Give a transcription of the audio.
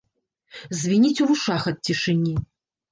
Звініць у вушах ад цішыні.